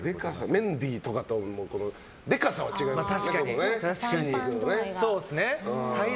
メンディーとかとでかさは違いますよね。